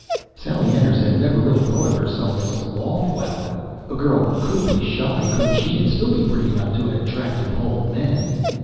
Sally Anders had never really thought of herself as a wallflower. A girl could be shy, couldn't she, and still be pretty enough to attract and hold men?